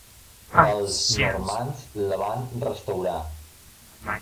Els normands la van restaurar.